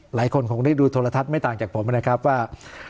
หลายคนคงได้ดูโทรทัศน์ไม่ต่างจากผมนะครับว่า